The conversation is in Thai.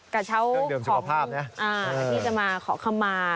กระเช้าของอันนี้จะมาขอขมา